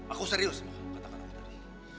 aku serius ma katakan aku tadi